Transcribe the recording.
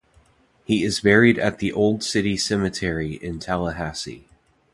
He is buried at the Old City Cemetery in Tallahassee.